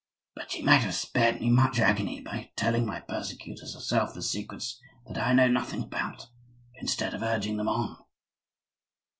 "But she might have spared me much agony be telling my persecutors herself the secrets that I know nothing about, instead of urging them on."